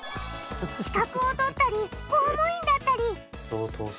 資格を取ったり公務員だったり。